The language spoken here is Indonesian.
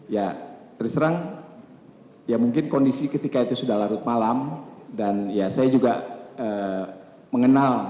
ya terus terang ya mungkin kondisi ketika itu sudah larut malam dan ya saya juga mengenal